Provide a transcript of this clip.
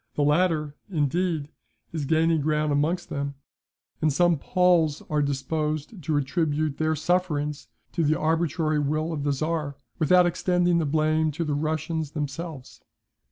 The latter, indeed, is gaining ground amongst them; and some Poles are disposed to attribute their sufferings to the arbitrary will of the Czar, without extending the blame to the Russians themselves.